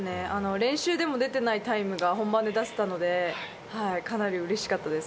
練習でも出てないタイムが本番で出せたので、かなり、うれしかったです。